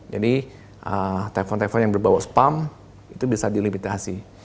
jadi telepon telepon yang berbawa spam itu bisa dilimitasi